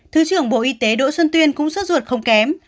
thứ trưởng bộ y tế đỗ xuân tuyên cũng suốt ruột không kém